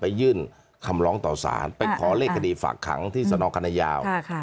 ไปยื่นคำล้องต่อสารไปขอเลขาดีฝากครั้งที่สนกัณญาว